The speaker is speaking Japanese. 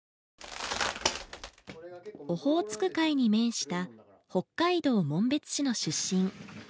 オホーツク海に面した北海道紋別市の出身。